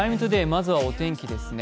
まずはお天気ですね。